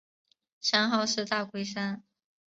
山号是大龟山。